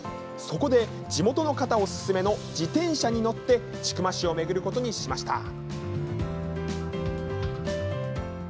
そこで、地元の方お勧めの自転車に乗って、千曲市を巡ることにしました。